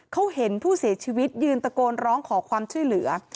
เขาเห็นผู้เสียชีวิตยืนตะโกนร้องขอความช่วยเหลือ